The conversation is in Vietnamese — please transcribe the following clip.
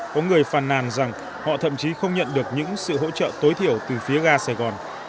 có người phàn nàn rằng họ thậm chí không nhận được những sự hỗ trợ tối thiểu từ phía ga sài gòn